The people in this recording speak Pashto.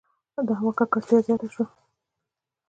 • د هوا ککړتیا زیاته شوه.